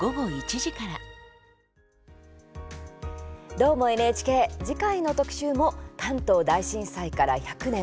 「どーもＮＨＫ」次回の特集も関東大震災から１００年。